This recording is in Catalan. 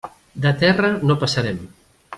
De terra no passarem.